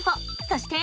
そして。